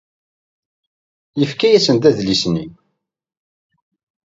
Yefka-asen-d adlis-nni.